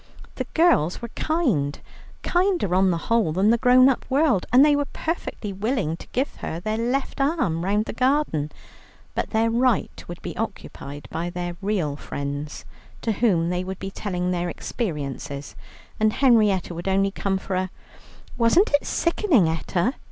The girls were kind, kinder, on the whole, than the grown up world, and they were perfectly willing to give her their left arms round the garden, but their right would be occupied by their real friends, to whom they would be telling their experiences, and Henrietta would only come in for a, "Wasn't it sickening, Etta?"